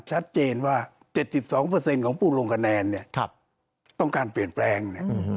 ชัดเจนว่า๗๒ของผู้ลงคะแนนต้องการเปลี่ยนแปลง